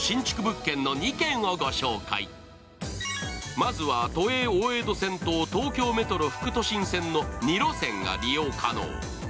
まずは、都営大江戸線と東京メトロ副都心線の２路線が利用可能。